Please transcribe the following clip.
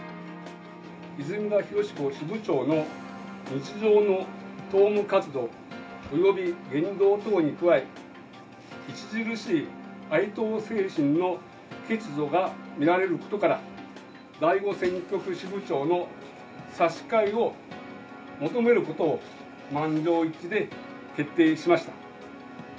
泉田裕彦支部長の日常の党務活動および言動等に加え、著しい愛党精神の欠如が見られることから、第５選挙区支部長の差し替えを求めることを満場一致で決定しました。